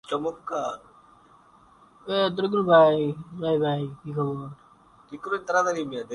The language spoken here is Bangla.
ঠনারপাড় আনোয়ারুল উলুম মাদরাসা।